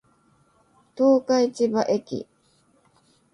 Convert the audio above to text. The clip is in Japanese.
十日市場駅